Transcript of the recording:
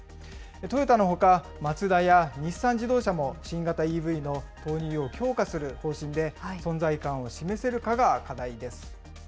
トヨタのほか、マツダや日産自動車も、新型ＥＶの投入を強化する方針で、存在感を示せるかが課題です。